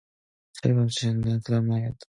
사흘 밤째 지난 그 다음 날이었습니다.